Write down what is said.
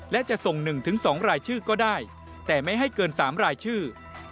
และจะส่ง๑๒รายชื่อก็ได้แต่ไม่ให้เกิน๓รายชื่อ